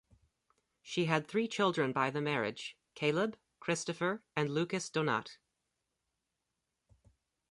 She had three children by the marriage; Caleb, Christopher, and Lucas Donat.